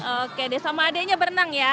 oke sama adeknya berenang ya